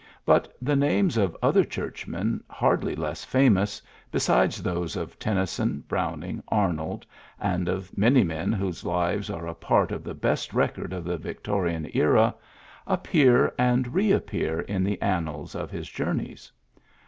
But the names of other Churchmen hardly less famous, besides those of Tennyson, Browning, Arnold, and of many men whose lives are a part of the best record of the Vic torian era, appear and reappear in the annals of his journeys.